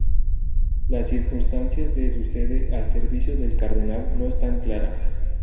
Las circunstancias de su cese al servicio del cardenal no están claras.